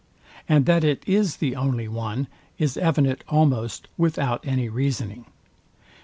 And that it is the only one, is evident almost without any reasoning.